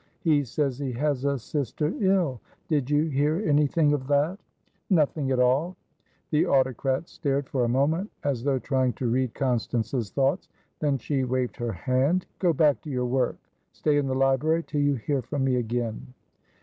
"He says he has a sister ill. Did you hear anything of that?" "Nothing at all." The autocrat stared for a moment, as though trying to read Constance's thoughts; then she waved her hand. "Go back to your work. Stay in the library till you hear from me again."